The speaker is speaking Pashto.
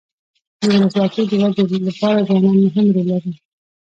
د ولسواکۍ د ودي لپاره ځوانان مهم رول لري.